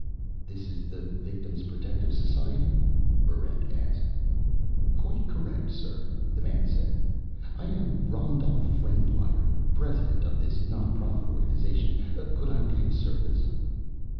"This is the Victim's Protective Society?" Barrent asked. "Quite correct, sir," the man said. "I am Rondolp Frendlyer, president of this nonprofit organization. Could I be of service?"